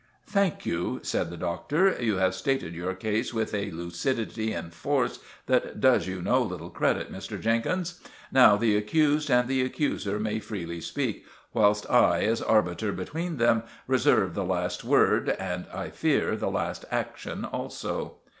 "Thank you," said the Doctor. "You have stated your case with a lucidity and force that does you no little credit, Mr. Jenkins. Now the accused and the accuser may freely speak, whilst I, as arbiter between them, reserve the last word, and I fear the last action also."